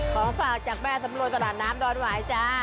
ของฝากจากแม่สำรวยตลาดน้ำดอนหวายจ้า